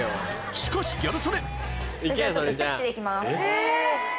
しかしギャル曽根えぇ！